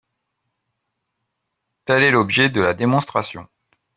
Tel est l’objet de la démonstration.